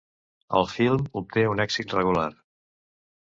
El film obté un èxit regular.